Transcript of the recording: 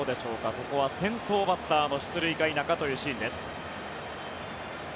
ここは先頭バッターの出塁か否かというシーンです。